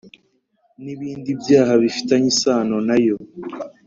n’ibindi byaha bifitanye isano nayo.